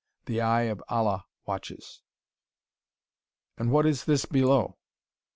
The Eye of Allah watches.' "And what is this below